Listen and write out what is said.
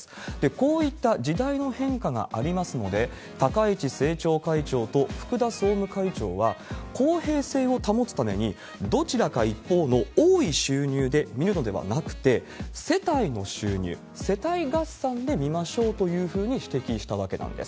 こういった時代の変化がありますので、高市政調会長と福田総務会長は、公平性を保つためにどちらか一方の多い収入で見るのではなくて、世帯の収入、世帯合算で見ましょうというふうに指摘したわけなんです。